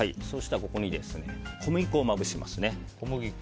そしてここに小麦粉をまぶしますね。